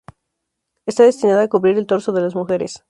Está destinada a cubrir el torso de las mujeres.